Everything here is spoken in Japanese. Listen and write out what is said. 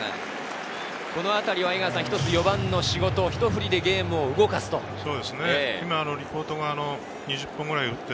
このあたりは江川さん、４番の仕事、ひと振りでゲームを動かすという。